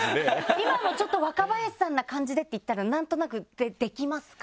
今も「ちょっと若林さんな感じで」って言ったらなんとなくできますか？